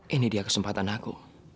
ini dia kesempatan aku